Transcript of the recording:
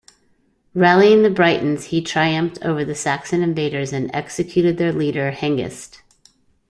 Rallying the Britons, he triumphed over the Saxon invaders and executed their leader, Hengist.